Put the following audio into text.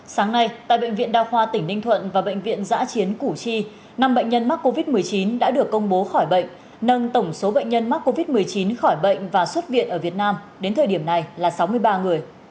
sáng nay tại bệnh viện đa khoa tỉnh ninh thuận và bệnh viện giã chiến củ chi năm bệnh nhân mắc covid một mươi chín đã được công bố khỏi bệnh nâng tổng số bệnh nhân mắc covid một mươi chín khỏi bệnh và xuất viện ở việt nam đến thời điểm này là sáu mươi ba người